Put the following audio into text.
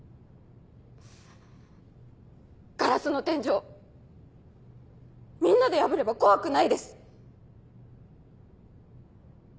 ガラスの天井みんなで破れば怖くないです。